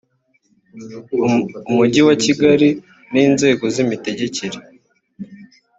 umujyi wa kigali ni inzego z imitegekere